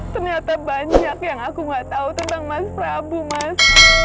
ternyata banyak yang aku nggak tahu tentang mas prabu mas